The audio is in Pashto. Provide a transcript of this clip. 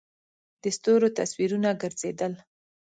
د ستورو تصویرونه گرځېدل.